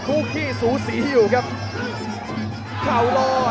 ตึกนิดหนึ่งเริ่มขึ้นเมื่อเข่า